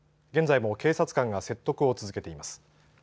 現在も警察官が説得を続けています。